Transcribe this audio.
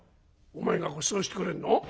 「お前がごちそうしてくれるの？